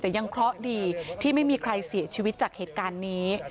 แต่ยังเคราะห์ดีที่ไม่มีใครเสียชีวิตจากเหตุการณ์นี้